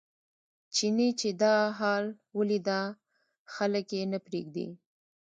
چیني چې دا حال ولیده خلک یې نه پرېږدي.